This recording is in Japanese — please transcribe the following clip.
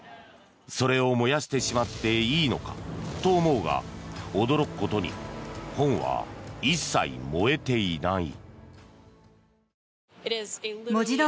それを燃やしてしまっていいのかと思うが驚くことに本は一切燃えていない。